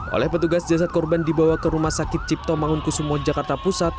oleh petugas jasad korban dibawa ke rumah sakit cipto mangunkusumo jakarta pusat